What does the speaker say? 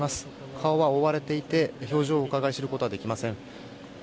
顔は覆われていて表情をうかがい知ることはできません。